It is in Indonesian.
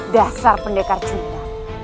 dasar pendekar cinta